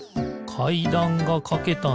かいだんがかけたね。